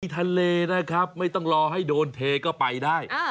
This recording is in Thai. ทะเลนะครับไม่ต้องรอให้โดนเทก็ไปได้